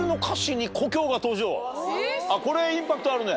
これはインパクトあるね